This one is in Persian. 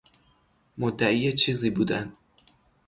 مدعی چیزی بودن